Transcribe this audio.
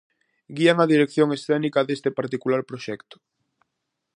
Guían a dirección escénica deste particular proxecto.